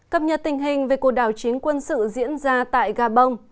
cập nhật tình hình về cuộc đảo chiến quân sự diễn ra tại gà bông